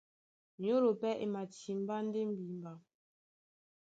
Nyólo pɛ́ e matimbá ndé mbimba.